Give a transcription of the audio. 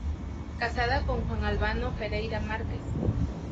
Casada con Juan Albano Pereira Márquez.